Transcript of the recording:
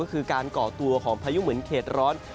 ก็คือการก่อตัวของพายุเหมือนเขตร้อน